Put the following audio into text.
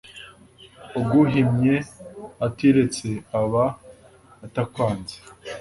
Uguhimye atiretse aba atakwanze